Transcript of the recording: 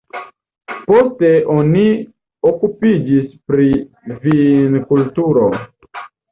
Poste oni okupiĝis pri vinkulturo.